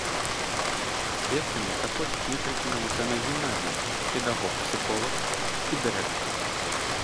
Сведкамі праходзяць некалькі навучэнак гімназіі, педагог-псіхолаг і дырэктар.